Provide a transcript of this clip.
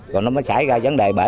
rồi nó mới xảy ra vấn đề bể